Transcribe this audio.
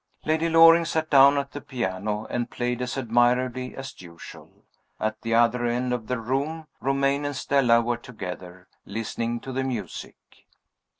Lady Loring sat down at the piano, and played as admirably as usual. At the other end of the room Romayne and Stella were together, listening to the music.